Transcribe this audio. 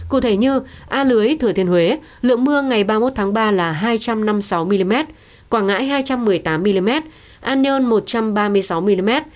cụ thể như a lưới thừa thiên huế lượng mưa ngày ba mươi một tháng ba là hai trăm năm mươi sáu mm quảng ngãi hai trăm một mươi tám mm an nhơn một trăm ba mươi sáu mm